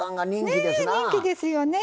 ねえ人気ですよね。